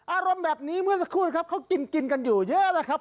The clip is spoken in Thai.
อารมณ์แบบนี้เมื่อสักครู่นะครับเขากินกินกันอยู่เยอะแล้วครับ